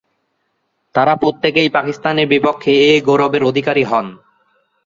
তারা প্রত্যেকেই পাকিস্তানের বিপক্ষে এ গৌরবের অধিকারী হন।